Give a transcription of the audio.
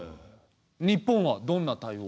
日本はどんな対応を？